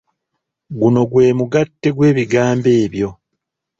Guno gwe mugattte gw'ebigamba ebyo.